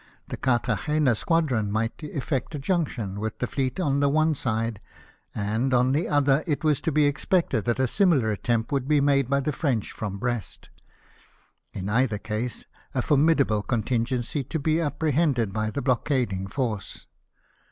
The Carthagena squadron might effect a junction with this fleet on the one side ; and, on the other, it was to be expected that a similar attempt would be made by the French from Brest ; in either case a formidable contingency to be apprehended by the blockading force.